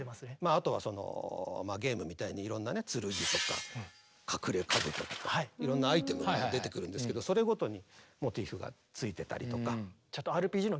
あとはゲームみたいにいろんなね剣とか隠れ兜とかいろんなアイテムが出てくるんですけどそれごとにモチーフがついてたりとか。